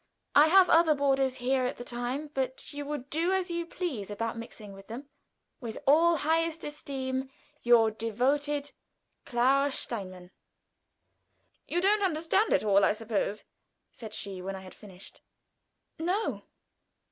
I have other boarders here at the time, but you would do as you pleased about mixing with them. "With all highest esteem, "Your devoted, "'CLARA STEINMANN.'" "You don't understand it all, I suppose?" said she, when I had finished. "No."